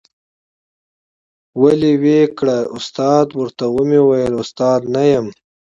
ول وې کړه ، استاده ، ورته ومي ویل استاد نه یم ،